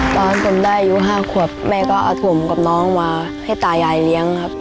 ตอนผมได้อายุ๕ขวบแม่ก็เอาถมกับน้องมาให้ตายายเลี้ยงครับ